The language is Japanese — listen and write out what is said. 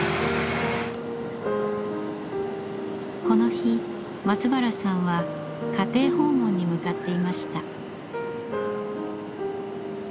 この日松原さんは家庭訪問に向かっていました。